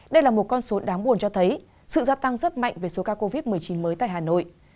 đây là một con số đáng buồn cho thấy sự gia tăng rất mạnh về số ca covid một mươi chín mới tại hà nội